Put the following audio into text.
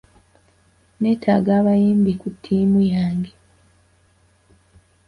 Neetaaga abayambi ku tiimu yange.